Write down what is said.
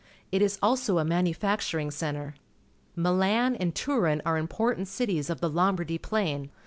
It is also a manufactuiing centre. j\ Iilan and ^^urin are important cities of the L omba rd^' Plain.